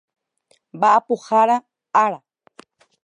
Mba'apohára Ára